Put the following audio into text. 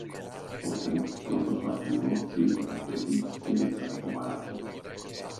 Τότε, πρώτος ο Αρχηγός πήρε το τουφέκι κι έριξε από το παράθυρο